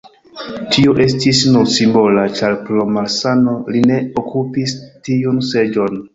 Tio estis nur simbola, ĉar pro malsano li ne okupis tiun seĝon.